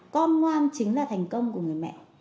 con ngoan chính là thành công của người mẹ